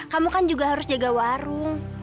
kamu kan juga harus jaga warung